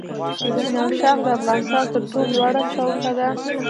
نوشاخ د افغانستان تر ټولو لوړه څوکه ده